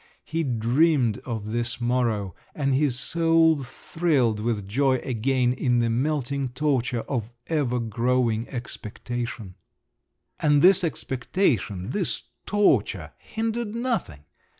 He dreamed of this morrow—and his soul thrilled with joy again in the melting torture of ever growing expectation! And this expectation, this torture, hindered nothing.